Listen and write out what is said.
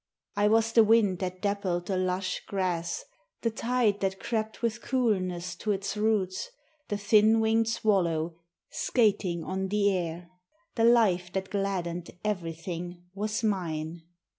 I was the wind that dappled the lush grass, The tide that crept with coolness to its roots, The thin winged swallow skating on the air ; The life that gladdened everything was mine.